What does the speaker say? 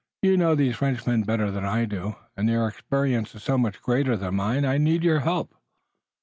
"You know these Frenchmen better than I do, and their experience is so much greater than mine that I need your help."